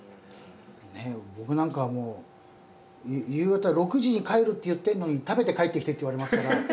僕なんかはもう夕方６時に帰るって言ってんのに「食べて帰ってきて」って言われますから。